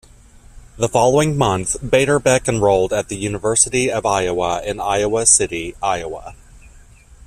The following month, Beiderbecke enrolled at the University of Iowa in Iowa City, Iowa.